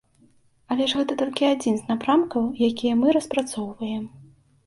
Але ж гэта толькі адзін з напрамкаў, які мы распрацоўваем.